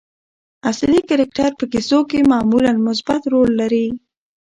اصلي کرکټر په کیسو کښي معمولآ مثبت رول لري.